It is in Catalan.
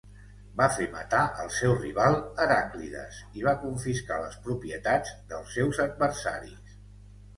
Va fer matar al seu rival Heràclides i va confiscar les propietats dels seus adversaris.